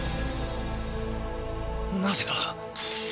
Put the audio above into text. なぜだ。